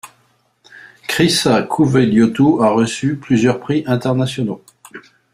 Chrýssa Kouveliótou a reçu plusieurs prix internationaux.